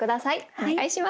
お願いします。